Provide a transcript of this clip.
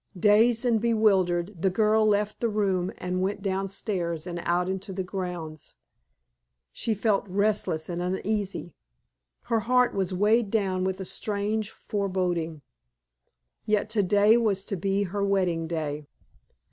Dazed and bewildered, the girl left the room and went down stairs and out into the grounds. She felt restless and uneasy; her heart was weighed down with a strange foreboding. Yet today was to be her wedding day.